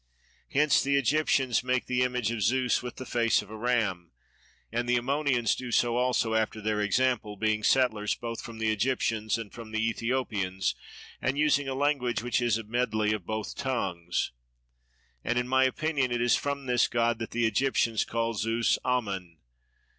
Hence the Egyptians make the image of Zeus with the face of a ram; and the Ammonians do so also after their example, being settlers both from the Egyptians and from the Ethiopians, and using a language which is a medley of both tongues: and in my opinion it is from this god that the Egyptians call Zeus Amun.